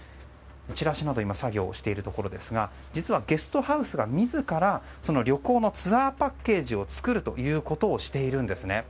チラシなどの作業をしているところですが実はゲストハウスが自ら旅行のツアーパッケージを作るということをしているんですね。